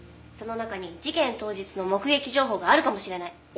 その中に事件当日の目撃情報があるかもしれない。